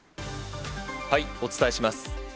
お伝えします。